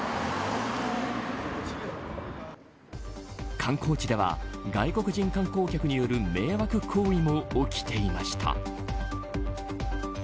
観光地では外国人観光客による迷惑行為も起きていました。